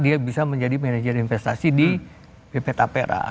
dia bisa menjadi manajer investasi di bp tapera